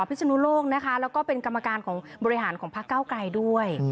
พิศนุโลกนะคะแล้วก็เป็นกรรมการของบริหารของพักเก้าไกลด้วย